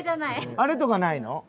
あれとかないの？